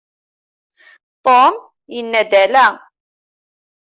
Tom yenna-d ala.